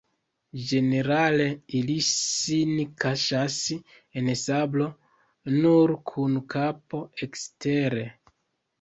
Ĝenerale ili sin kaŝas en sablo, nur kun kapo ekstere.